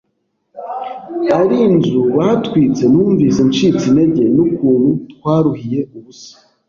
ari inzu batwitse numvise ncitse intege n’ukuntu twaruhiye ubusa